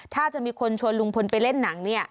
ถ้าจะมีคนชวนลุงพลไปเล่นหนังเนี่ย